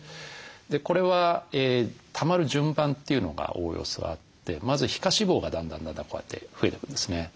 これはたまる順番というのがおおよそあってまず皮下脂肪がだんだんだんだんこうやって増えていくんですね。